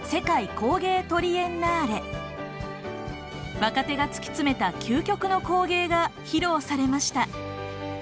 若手が突き詰めた究極の工芸が披露されました。